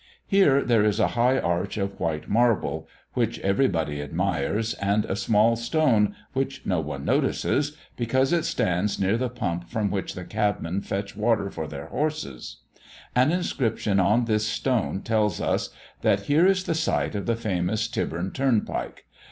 Here there is a high arch of white marble, which every body admires, and a small stone, which no one notices, because it stands near the pump from which the cabmen fetch water for their horses; an inscription on this stone tells us, that here is the site of the famous Tyburn Turnpike.